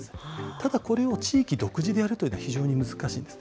ただこれを地域独自でやるというのは非常に難しいんです。